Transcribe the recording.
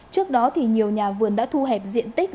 trước đó nhiều nhà vườn đã thu hẹp diện tích